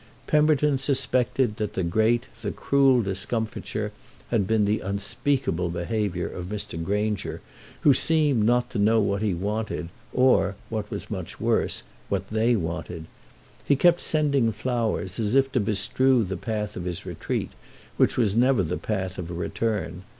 Pemberton suspected that the great, the cruel discomfiture had been the unspeakable behaviour of Mr. Granger, who seemed not to know what he wanted, or, what was much worse, what they wanted. He kept sending flowers, as if to bestrew the path of his retreat, which was never the path of a return.